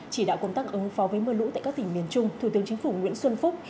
chỉ đạo công tác ứng phó với mưa lũ tại các tỉnh miền trung thủ tướng chính phủ nguyễn xuân phúc